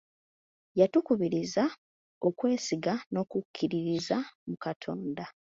Yatukubirizza okwesiga n'okukkiririza mu Katonda.